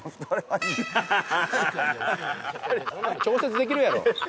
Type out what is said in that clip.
調節できるやろ。